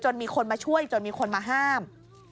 มีคนมาช่วยจนมีคนมาห้าม